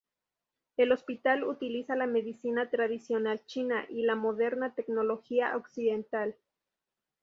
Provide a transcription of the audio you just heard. El hospital utiliza la medicina tradicional china y la moderna tecnología occidental.